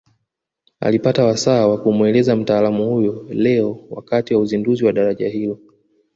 Alipata wasaa wa kumueleza mtaalamu huyo leo wakati wa uzinduzi wa daraja hilo